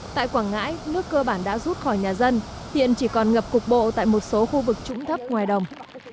tại quảng ngãi nước cơ bản đã rút khỏi nhà dân hiện chỉ còn ngập cục bộ tại một số khu vực trũng thấp ngoài đồng